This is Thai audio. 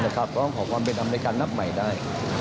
ก็ต้องขอความเป็นอำนวยการนับใหม่ได้